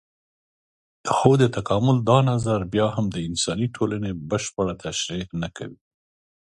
خو د تکامل دا نظر بيا هم د انساني ټولنې بشپړه تشرېح نه کوي.